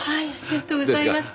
ありがとうございます。